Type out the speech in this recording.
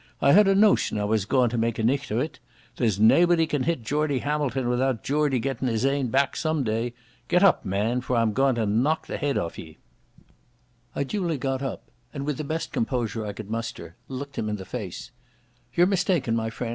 I had a notion I was gaun to mak' a nicht o't. There's naebody can hit Geordie Hamilton without Geordie gettin' his ain back some day. Get up, man, for I'm gaun to knock the heid off ye." I duly got up, and with the best composure I could muster looked him in the face. "You're mistaken, my friend.